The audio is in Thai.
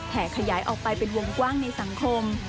ขยายออกไปเป็นวงกว้างในสังคม